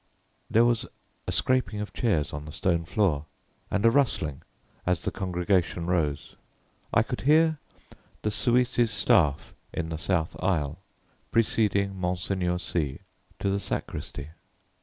There was a scraping of chairs on the stone floor, and a rustling as the congregation rose. I could hear the Suisse's staff in the south aisle, preceding Monseigneur C to the sacristy.